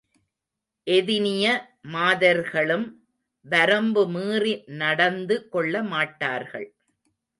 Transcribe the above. எதினிய மாதர்களும் வரம்பு மீறி நடந்து கொள்ளமாட்டார்கள்.